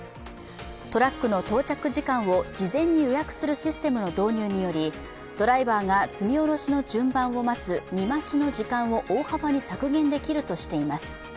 トラックの到着時間を事前に予約するシステムの導入によりドライバーが積み卸しの順番を待つ、荷まちの時間を大幅に削減できるとしています。